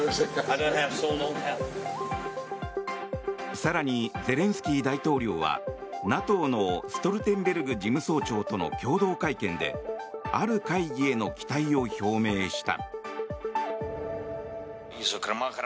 更に、ゼレンスキー大統領はＮＡＴＯのストルテンベルグ事務総長との共同会見である会議への期待を表明した。